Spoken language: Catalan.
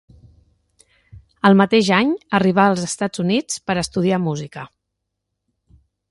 El mateix any arribà als Estats Units per a estudiar música.